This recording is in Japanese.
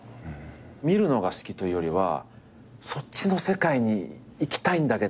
見るのが好きというよりはそっちの世界に行きたいんだけどっていう。